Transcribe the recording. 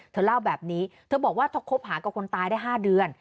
เธอเล่าแบบนี้เธอบอกว่าเธอคบหากับคนตายได้๕เดือน